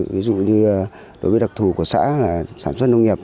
ví dụ như đối với đặc thù của xã là sản xuất nông nghiệp